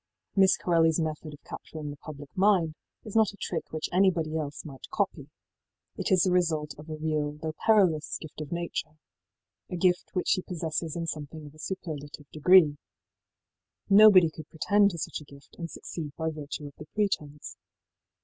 Miss Corelliís method of capturing the public mind is not a trick which anybody else might copy. It is the result of a real, though perilous, gift of nature a gift which she possesses in something of a superlative degree. Nobody could pretend to such a gift and succeed by virtue of the pretence.